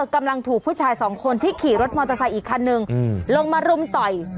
กำลังถูกผู้ชายสองคนที่ขี่รถมอเตอร์ไซค์อีกคันนึงลงมารุมต่อย